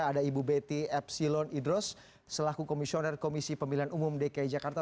ada ibu betty epsilon idros selaku komisioner komisi pemilihan umum dki jakarta